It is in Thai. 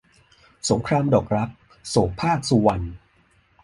สงครามดอกรัก - โสภาค สุวรรณ